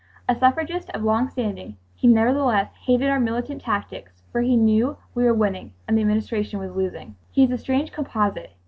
A suffragist of long standing, he nevertheless hated our militant tactics, for he knew we were winning and the Administration was losing. He is a strange composite.